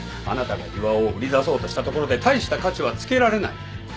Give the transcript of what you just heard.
あなたが巌を売り出そうとしたところで大した価値は付けられない。